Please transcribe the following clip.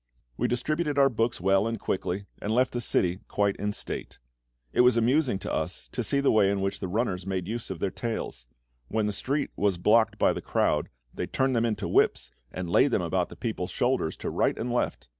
We distributed our books well and quickly, and left the city quite in state. It was amusing to us to see the way in which the runners made use of their tails. When the street was blocked by the crowd, they turned them into whips, and laid them about the people's shoulders to right and left!